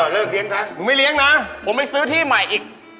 เลิกเลี้ยงซะผมไม่เลี้ยงนะผมไปซื้อที่ใหม่อีก